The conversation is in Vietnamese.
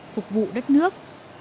phục vụ đất nước